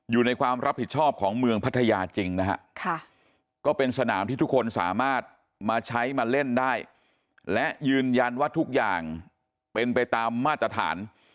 อยู่ในความรับผิดชอบของเมืองพัทยาจริงนะฮะก็เป็นสนามที่ทุกคนสามารถมาใช้มาเล่นได้และยืนยันว่าทุกอย่างเป็นไปตามมาตรฐาน